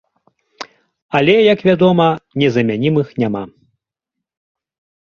Але, як вядома, незамянімых няма!